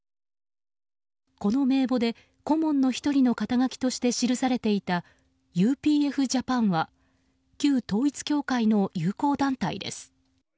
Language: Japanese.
この名簿で、顧問の１人の肩書として記されていたＵＰＦ‐Ｊａｐａｎは旧統一教会の友好団体です。